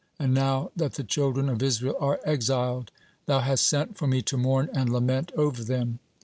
And now that the children of Israel are exiled, Thou hast sent for me to mourn and lament over them.